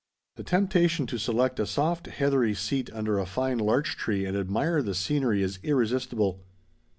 The temptation to select a soft heathery seat under a fine larch tree and admire the scenery is irresistible.